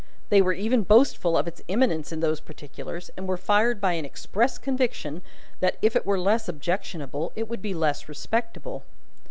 They were even boastful of its eminence in those particulars, and were fired by an express conviction that, if it were less objectionable, it would be less respectable.